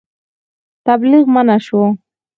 تبلیغ منع شو.